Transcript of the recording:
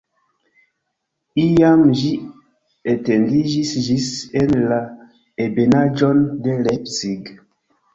Iam ĝi etendiĝis ĝis en la ebenaĵon de Leipzig.